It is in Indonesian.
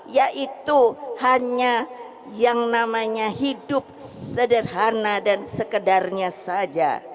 yaitu hanya yang namanya hidup sederhana dan sekedarnya saja